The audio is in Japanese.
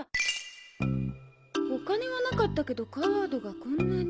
お金はなかったけどカードがこんなに。